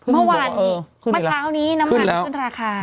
เมื่อเช้านี้น้ำมันขึ้นราคา